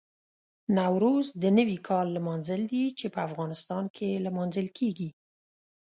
نوروز د نوي کال لمانځل دي چې په افغانستان کې لمانځل کېږي.